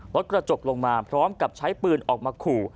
กระจกลงมาพร้อมกับใช้ปืนออกมาขู่